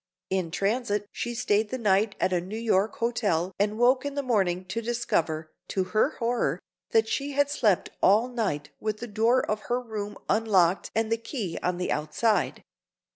In transit she stayed the night at a New York hotel and woke in the morning to discover, to her horror, that she had slept all night with the door of her room unlocked and the key on the outside.